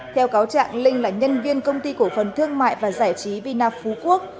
theo cáo trạng linh là nhân viên công ty cổ phần thương mại và giải trí vinap phú quốc